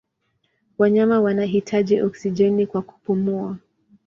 Wanyama wanahitaji oksijeni kwa kupumua.